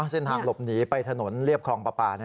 เส้นทางหลบหนีไปถนนเรียบคลองปลาปลา